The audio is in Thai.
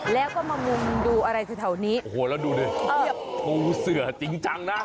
แล้วก็มามุมดูอะไรที่เท่านี้โอ้โหแล้วดูดิภูเสือจริงจังนะ